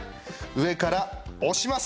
上から押します。